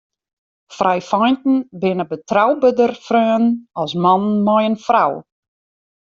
Frijfeinten binne betrouberder freonen as mannen mei in frou.